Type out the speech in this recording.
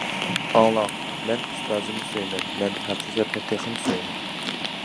ئاڭلاڭ: «مەن ئۇستازىمنى سۆيىمەن، مەن ھەقىقەتنى تېخىمۇ سۆيىمەن» .